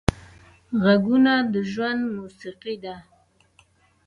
غږونه د ژوند موسیقي ده